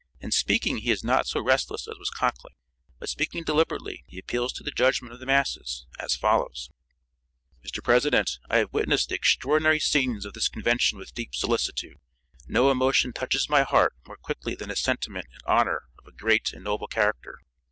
In speaking he is not so restless as was Conkling, but speaking deliberately he appeals to the judgment of the masses, as follows: "Mr. President: I have witnessed the extraordinary scenes of this convention with deep solicitude. No emotion touches my heart more quickly than a sentiment in honor of a great and noble character.